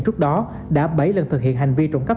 trước đó đã bảy lần thực hiện hành vi trộm cắp